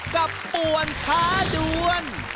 กับปวนค้าด้วน